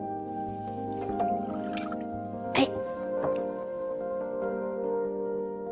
はい。